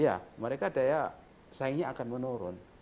ya mereka daya saingnya akan menurun